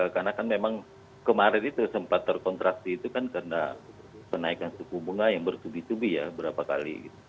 karena kan memang kemarin itu sempat terkontraksi itu kan karena penaikan suku bunga yang bersubi subi ya berapa kali